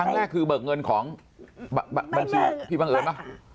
ครั้งแรกคือเบิกเงินของบางชีวิตพี่บังเอิญหรือ